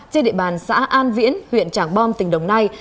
trên địa bàn xã an viễn huyện trảng bom tỉnh đồng nai